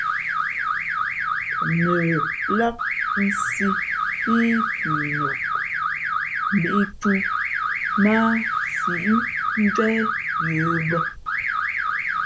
Pά nəlāk sī pí pʉnok, mbīʼtū mά a síʼ njwéh yə̌ bᾱ.